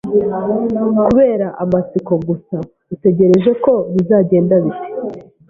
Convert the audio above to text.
Kubera amatsiko gusa, utegereje ko bizagenda bite?